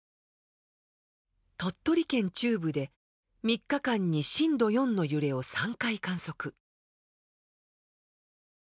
鳥取県中部で３日間に震度４の揺れを３回観測。